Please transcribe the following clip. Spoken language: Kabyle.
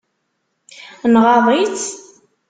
Nɣaḍ-itt?